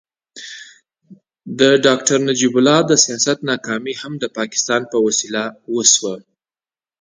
د ډاکټر نجیب الله د سیاست ناکامي هم د پاکستان په وسیله وشوه.